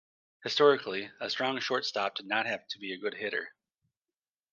Historically, a strong shortstop did not have to be a good hitter.